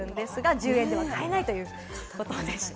１０円では買えないということでした。